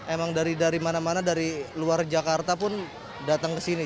emang dari mana mana dari luar jakarta pun datang ke sini